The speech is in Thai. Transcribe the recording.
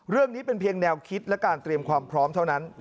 เรื่องนี้เป็นเพียงแนวคิดและการเตรียมความพร้อมเท่านั้น